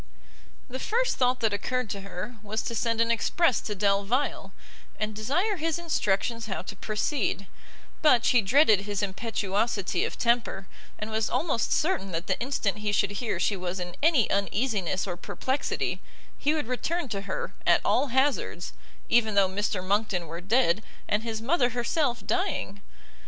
The first thought that occurred to her, was to send an express to Delvile, and desire his instructions how to proceed; but she dreaded his impetuosity of temper, and was almost certain that the instant he should hear she was in any uneasiness or perplexity, he would return to her, at all hazards, even though Mr Monckton were dead, and his mother herself dying.